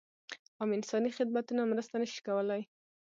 عام انساني خدمتونه مرسته نه شي کولای.